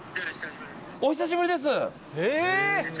お久しぶりです！